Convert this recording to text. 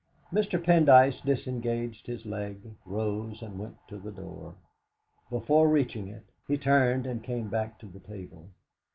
Mr. Pendyce disengaged his leg, rose, and went to the door. Before reaching it he turned and came back to the table.